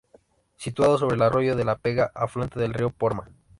Situado sobre el Arroyo de la Pega, afluente del Río Porma.